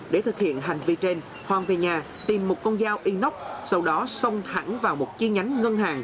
để thực hiện hành vi trên hoàng về nhà tìm một con dao inox sau đó xông thẳng vào một chi nhánh ngân hàng